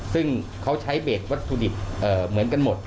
ซึ่งเขาใช้เบสวัตถุดิบเหมือนกันหมด